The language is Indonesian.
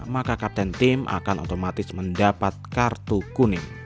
maka kapten tim akan otomatis mendapat kartu kuning